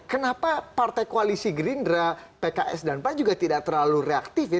kenapa partai koalisi gerindra pks dan pan juga tidak terlalu reaktif ya